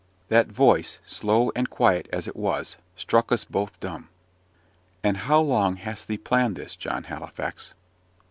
That voice, slow and quiet as it was, struck us both dumb. "And how long hast thee planned this, John Halifax?"